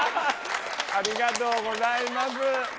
ありがとうございます。